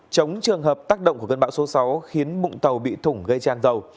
chống trường hợp tác động của cơn bão số sáu khiến bụng tàu bị thủng gây tràn dầu